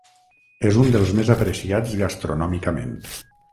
És un dels més apreciats gastronòmicament.